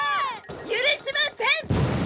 許しません！！